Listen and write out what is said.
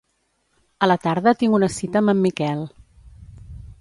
A la tarda tinc una cita amb en Miquel.